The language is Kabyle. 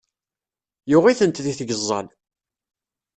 Yuɣ-itent di tgeẓẓal.